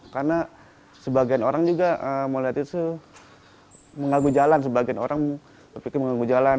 karena sebagian orang juga melihat itu mengaguh jalan sebagian orang berpikir mengaguh jalan